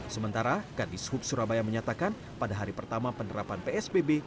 sementara kandishub surabaya menyatakan pada hari pertama penerapan psbb